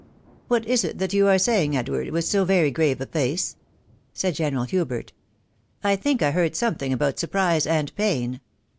" What is that you are saying, Edward, vrith so very grave a face ?" said General Hubert ;" I think I heard something about surprise and pain.